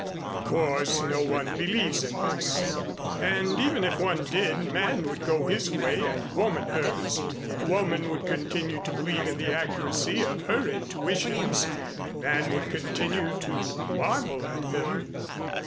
Of course, no one believes this, and even if one did, man would go his way and woman hers. Woman would continue to believe in the accuracy of her intuitions and man would continue to marvel at them.